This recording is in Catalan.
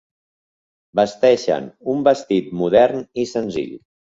Vesteixen un vestit modern i senzill.